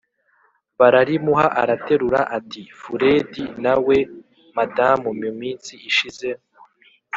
bararimuha araterura ati"furedi nawe madam muminsi ishize